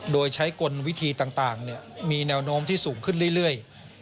โดยใช้กลวิธีต่างมีแนวโน้มที่สูงขึ้นเรื่อย